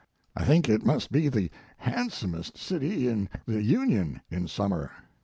I think it must be the handsomest $2 Mark Twain city in the Union in summer.